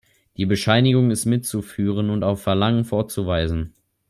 Die Bescheinigung ist mitzuführen und auf Verlangen vorzuweisen.